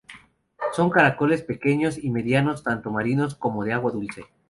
Son caracoles pequeños y medianos, tanto marinos como de agua dulce.